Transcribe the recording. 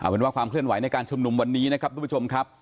เป็นว่าความเคลื่อนไหวในการชุมนุมวันนี้นะครับทุกผู้ชมครับ